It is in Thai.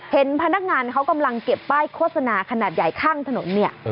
เห็นพนักงานเขากำลังเก็บป้ายโฆษณาขนาดใหญ่ข้างถนนเนี่ย